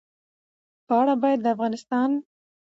په اړه باید د افغانستان